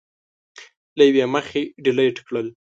له یوې مخې ډیلېټ کړل